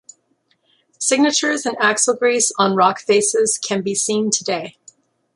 Signatures in axle grease on rock faces can be seen today.